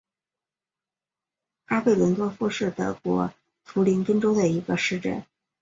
卡佩伦多夫是德国图林根州的一个市镇。